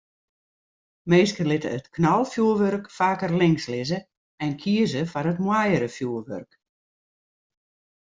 Minsken litte it knalfjoerwurk faker links lizze en kieze foar it moaiere fjoerwurk.